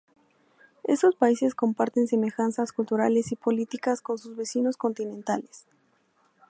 Estos países comparten semejanzas culturales y políticas con sus vecinos continentales.